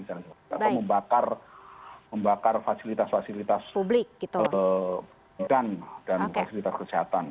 atau membakar fasilitas fasilitas publik dan fasilitas kesehatan